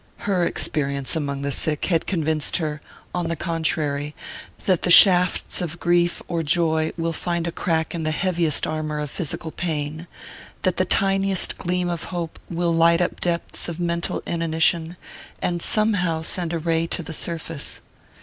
Her experience among the sick had convinced her, on the contrary, that the shafts of grief or joy will find a crack in the heaviest armour of physical pain, that the tiniest gleam of hope will light up depths of mental inanition, and somehow send a ray to the surface....